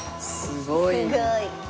すごい。